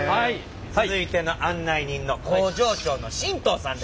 続いての案内人の工場長の神藤さん。